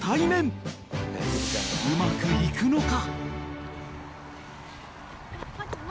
［うまくいくのか］